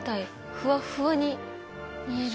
ふわっふわに見える。